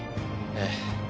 ええ。